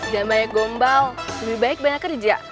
gak banyak gombal lebih baik banyak kerja